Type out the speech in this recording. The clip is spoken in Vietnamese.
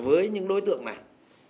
với những đối tượng này